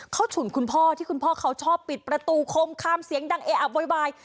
เขาฉุนคุณพ่อที่คุณพ่อเขาชอบปิดประตูคมคามเสียงดังเออะโวยวาย